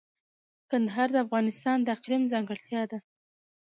کندهار د افغانستان د اقلیم ځانګړتیا ده.